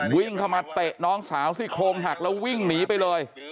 วิ่งเข้ามาเตะน้องสาวซี่โครงหักแล้ววิ่งหนีไปเลย